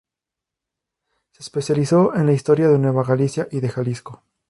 Se especializó en la historia de Nueva Galicia y de Jalisco.